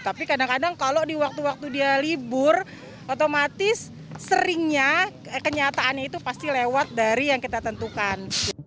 tapi kadang kadang kalau di waktu waktu dia libur otomatis seringnya kenyataannya itu pasti lewat dari yang kita tentukan